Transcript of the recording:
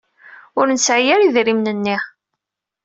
Ur nesɛi ara idrimen-nni.